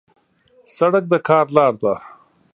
سړک د کار لار ده.